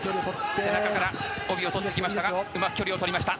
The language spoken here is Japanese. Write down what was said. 背中から帯を取りにいきましたが、うまく距離を取りました。